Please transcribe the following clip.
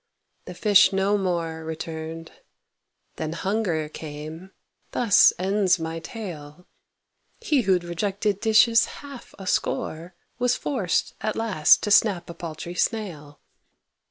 The fish no more Returned. Then Hunger came; thus ends my tale. He who'd rejected dishes half a score, Was forced, at last, to snap a paltry snail.